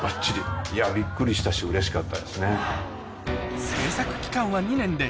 いやびっくりしたしうれしかったですね。